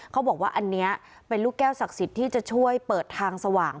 เขาบอกว่าอันนี้เป็นลูกแก้วศักดิ์สิทธิ์ที่จะช่วยเปิดทางสว่าง